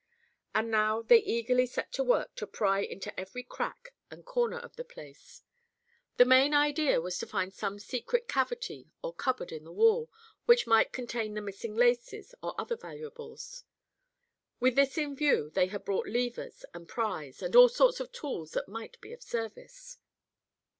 And now they eagerly set to work to pry into every crack and corner of the place. The main idea was to find some secret cavity or cupboard in the wall which might contain the missing laces or other valuables. With this in view they had brought levers and pries and all sorts of tools that might be of service.